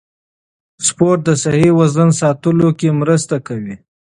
سپورت د صحي وزن ساتلو کې مرسته کوي.